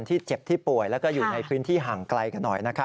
ที่เจ็บที่ป่วยแล้วก็อยู่ในพื้นที่ห่างไกลกันหน่อย